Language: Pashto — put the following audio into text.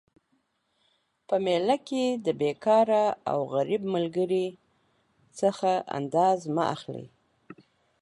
په میله کي د بیکاره او غریب ملګري څخه انداز مه اخلئ